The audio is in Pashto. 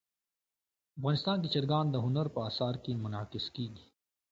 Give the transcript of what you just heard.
افغانستان کې چرګان د هنر په اثار کې منعکس کېږي.